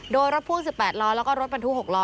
โดยรถพ่วง๑๘ล้อแล้วก็รถบรรทุก๖ล้อ